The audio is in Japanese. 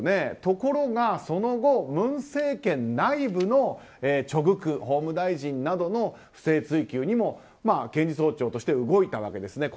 ところがその後、文政権内部のチョ・グク元法務大臣などの不正追及にも検事総長として動いたわけです。